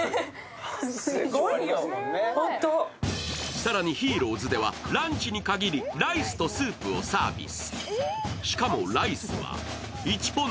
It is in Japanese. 更にＨＩＲＯ’Ｓではランチに限りライスとスープをサービス。